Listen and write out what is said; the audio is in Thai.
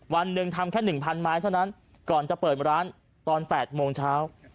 วันหนึ่งทำแค่๑๐๐ไม้เท่านั้นก่อนจะเปิดร้านตอน๘โมงเช้า